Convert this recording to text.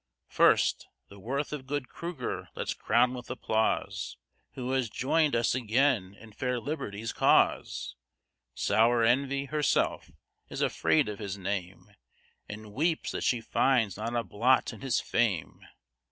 First the worth of good Cruger let's crown with applause, Who has join'd us again in fair Liberty's cause Sour Envy, herself, is afraid of his name, And weeps that she finds not a blot in his fame.